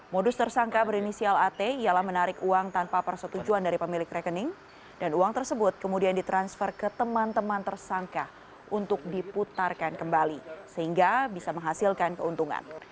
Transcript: modus tersangka berinisial at ialah menarik uang tanpa persetujuan dari pemilik rekening dan uang tersebut kemudian ditransfer ke teman teman tersangka untuk diputarkan kembali sehingga bisa menghasilkan keuntungan